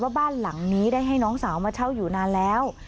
บ้านหลังนี้ได้ให้น้องสาวมาเช่าอยู่นานแล้ว